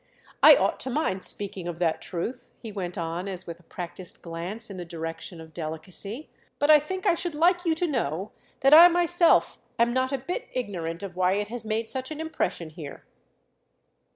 I ought to mind speaking of that truth," he went on as with a practised glance in the direction of delicacy; "but I think I should like you to know that I myself am not a bit ignorant of why it has made such an impression here."